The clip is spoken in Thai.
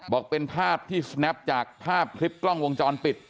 บอกเป็นภาพที่สแนปจากภาพคลิปกล้องวงจรปิด